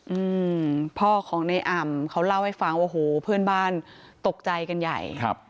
อืมพ่อของในอ่ำเขาเล่าให้ฟังว่าโอ้โหเพื่อนบ้านตกใจกันใหญ่ครับ